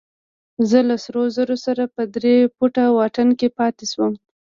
زه له سرو زرو سره په درې فوټه واټن کې پاتې شوم.